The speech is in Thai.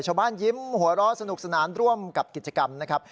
ยิ้มหัวเราะสนุกสนานร่วมกับกิจกรรมนะครับ